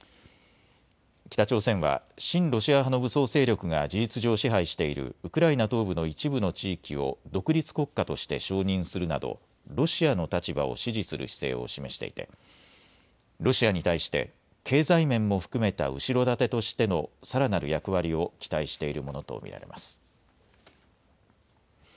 北朝鮮は親ロシア派の武装勢力が事実上、支配しているウクライナ東部の一部の地域を独立国家として承認するなどロシアの立場を支持する姿勢を示していてロシアに対して経済面も含めた後ろ盾としてのさらなる役割を期待しているものと見られます。